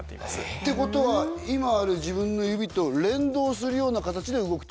ってことは今ある自分の指と連動するような形で動くっていうことですか？